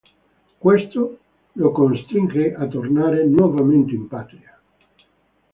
Questo lo costringe a tornare nuovamente in patria.